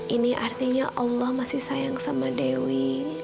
ini artinya allah masih sayang sama dewi